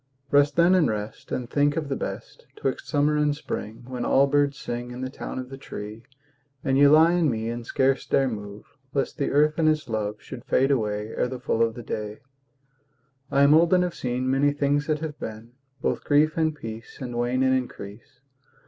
Rest then and rest, And think of the best 'Twixt summer and spring, When all birds sing In the town of the tree, And ye lie in me And scarce dare move, Lest the earth and its love Should fade away Ere the full of the day. I am old and have seen Many things that have been; Both grief and peace And wane and increase.